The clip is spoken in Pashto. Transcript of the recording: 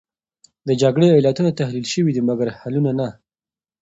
د جګړې علتونه تحلیل شوې دي، مګر حلونه نه.